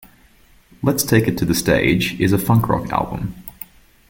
"Let's Take It to the Stage" is a funk rock album.